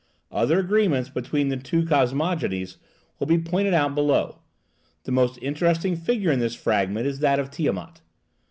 Other agreements between the two cosmogonies will be pointed out below. The most interesting figure in this fragment is that of Tiamat.